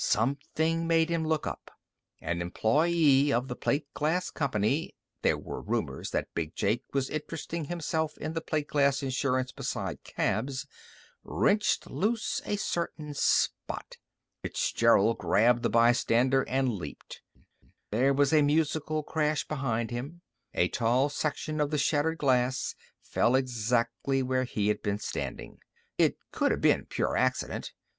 Something made him look up. An employee of the plate glass company there were rumors that Big Jake was interesting himself in plate glass insurance besides cabs wrenched loose a certain spot. Fitzgerald grabbed the bystander and leaped. There was a musical crash behind him. A tall section of the shattered glass fell exactly where he had been standing. It could have been pure accident.